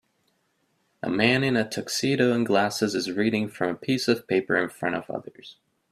A man in a tuxedo and glasses is reading from a piece of paper in front of others